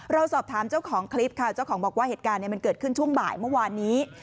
เราสอบถามเจ้าของคลิปค่ะเจ้าของบอกว่าเหตุการณ์มันเกิดขึ้นช่วงบ่ายเมื่อวานนี้